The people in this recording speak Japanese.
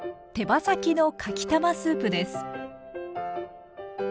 手羽先のかきたまスープです。